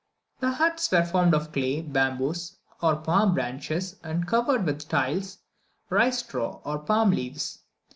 The huts were formed of clay, bamboos, or palm branches, and covered with tiles, rice straw, or palm leaves.